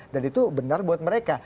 dan itu benar buat mereka